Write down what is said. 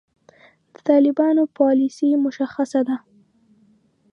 د طالبانو پالیسي مشخصه ده.